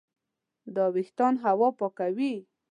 دا وېښتان هوا پاکوي.